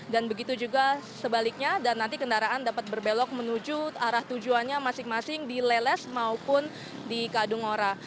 dan begitu juga sebaliknya dan nanti kendaraan dapat berbelok menuju arah tujuannya masing masing di leles maupun di kadung ora